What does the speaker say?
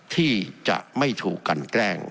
ที่จะไม่ถูกกันแกล้ง